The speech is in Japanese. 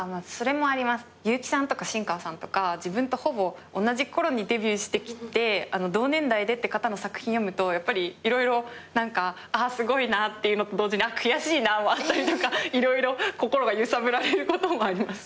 結城さんとか新川さんとか自分とほぼ同じころにデビューしてきて同年代でって方の作品読むとやっぱり色々何か「すごいな」っていうのと同時に「悔しいな」もあったりとか色々心が揺さぶられることもあります。